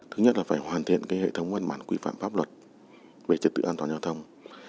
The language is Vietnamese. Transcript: thứ nhất là phải hoàn thiện hệ thống văn bản quy phạm pháp luật về trật tự an toàn giao thông